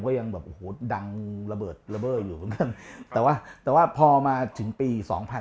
ก็ยังแบบดังระเบิดระเบิดอยู่แต่ว่าแต่ว่าพอมาถึงปี๒๐๑๑